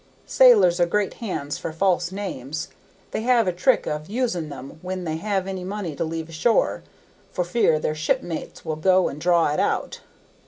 Sailors are great hands for false names; they have a trick of using them when they have any money to leave ashore, for fear their shipmates will go and draw it out.